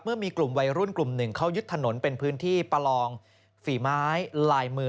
เมื่อมีกลุ่มวัยรุ่นกลุ่มหนึ่งเขายึดถนนเป็นพื้นที่ประลองฝีไม้ลายมือ